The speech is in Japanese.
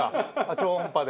超音波で。